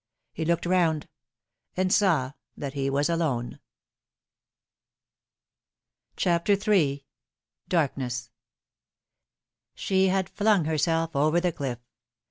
He looked round, and saw that he was alone ! CHAPTER HI. DAKKNESS. SHE had flung herself over the cliff.